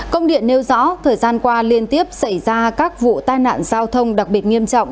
công điện nêu rõ thời gian qua liên tiếp xảy ra các vụ tai nạn giao thông đặc biệt nghiêm trọng